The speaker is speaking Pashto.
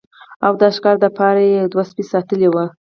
او د ښکار د پاره يې يو دوه سپي ساتلي وو